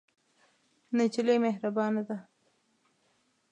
نجلۍ مهربانه ده.